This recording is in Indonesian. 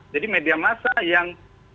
jadi media massa yang